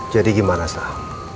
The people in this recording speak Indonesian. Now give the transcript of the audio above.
jadi gimana sah